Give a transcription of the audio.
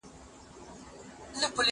پوښتنه وکړه!؟